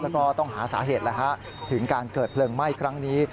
แล้วก็ต้องหาสาเหตุถึงการเกิดเพลิงไหม้ครั้งนี้